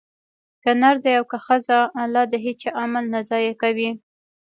که نر دی او که ښځه؛ الله د هيچا عمل نه ضائع کوي